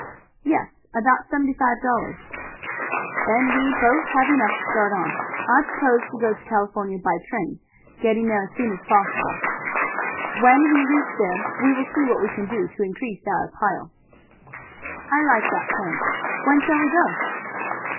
"Yes, about seventy five dollars." "Then we both have enough to start on. I propose to go to California by train, getting there as soon as possible. When we reach there we will see what we can do to increase our pile." "I like that plan. When shall we go?"